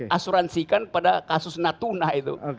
asuransikan pada kasus natuna itu